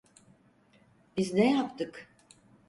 Biz ne yaptık?